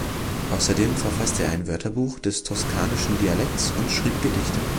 Außerdem verfasste er ein Wörterbuch des toskanischen Dialekts und schrieb Gedichte.